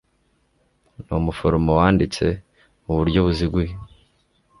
n umuforomo wanditse mu buryo buziguye